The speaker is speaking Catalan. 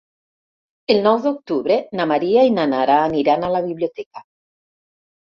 El nou d'octubre na Maria i na Nara aniran a la biblioteca.